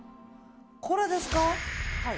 これですか？